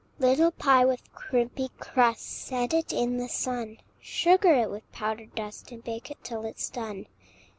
Little pie with crimpy crust, Set it in the sun; Sugar it with powdered dust, And bake it till it's done.